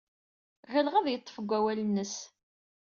Ɣileɣ ad yeḍḍef deg wawal-nnes.